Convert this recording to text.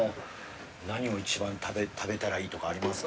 何を一番食べたらいいとかありますか？